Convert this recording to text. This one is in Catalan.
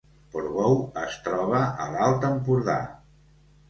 Portbou es troba a l’Alt Empordà